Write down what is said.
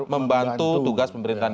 sembilan membantu tugas pemerintahan